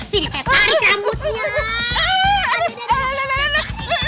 sini saya tarik rambutnya